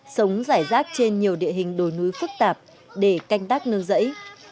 sống rải rác trên nhiều địa hình đồi núi phức tạp để canh tác nương rẫy